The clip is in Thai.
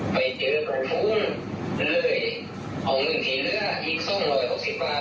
ไปเจอกับผู้ร่อยเอามึงที่เรืออีก๒๐๐บาท